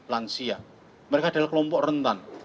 lansia mereka adalah kelompok rentan